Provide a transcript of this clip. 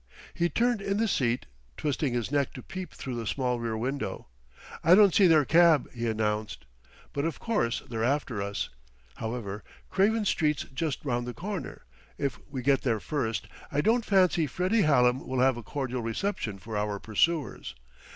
He turned in the seat, twisting his neck to peep through the small rear window. "I don't see their cab," he announced. "But of course they're after us. However, Craven Street's just round the corner; if we get there first, I don't fancy Freddie Hallam will have a cordial reception for our pursuers.